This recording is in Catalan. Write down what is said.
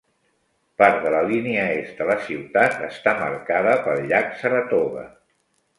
Part de la línia est de la ciutat està marcada pel llac Saratoga.